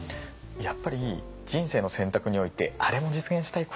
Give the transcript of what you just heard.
やっぱり人生の選択においてあれも実現したい